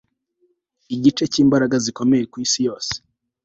Igice cyimbaraga zikomeye kwisi yose